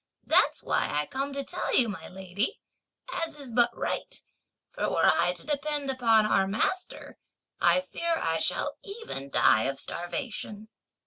that's why I come to tell you, my lady, as is but right, for were I to depend upon our master, I fear I shall even die of starvation."